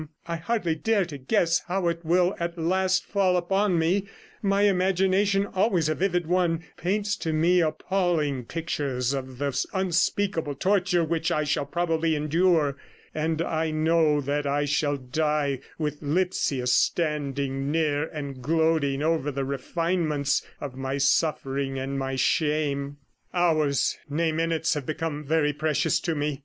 I hardly dare to guess how it will at last fall upon me; my imagination, always a vivid one, paints to me appalling pictures of the unspeakable torture which I shall probably endure; and I know that I shall die with Lipsius standing near and gloating over the refinements of my suffering and my shame. Hours, nay minutes, have become very precious to me.